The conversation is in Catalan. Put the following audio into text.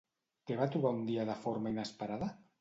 Què va trobar un dia de forma inesperada?